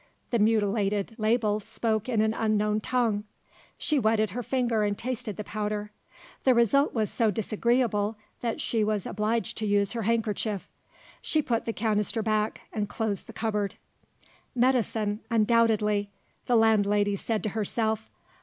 The mutilated label spoke in an unknown tongue. She wetted her finger and tasted the powder. The result was so disagreeable that she was obliged to use her handkerchief. She put the canister back, and closed the cupboard. "Medicine, undoubtedly," the landlady said to herself.